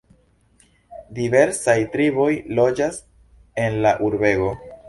Diversaj triboj loĝas en la urbego.